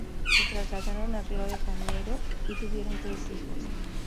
Se trasladaron a Río de Janeiro y tuvieron tres hijos.